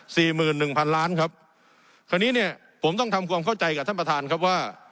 สี่หมื่นหนึ่งพันล้านครับคราวนี้เนี่ยผมต้องทำความเข้าใจกับท่านประธานครับว่า